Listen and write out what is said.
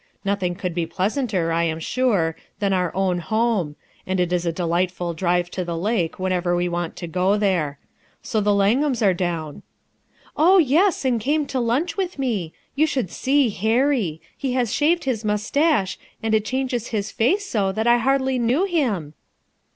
Nothing could be pleasanter, I am sure, than our own home ; and it is a delightful HO RUTH : ERSKINE'S SON drive (o the laJce whenever we want to go there. So the Lnngharos are down/' "Oh yes, and came to lunch with me. You should see Hurry I ho has shaved his mustache, and it changes his face so that I hardly knew him."